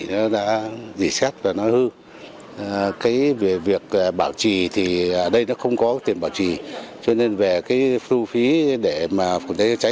nên đến nay hệ thống này được xây dựng cách đây hai mươi năm tuy nhiên do không có kinh phí bảo trì bảo dưỡng hệ thống phòng cháy chữa cháy